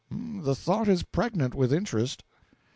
The thought is pregnant with interest.)